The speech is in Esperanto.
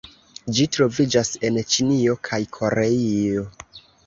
Ĝi troviĝas en Ĉinio kaj Koreio.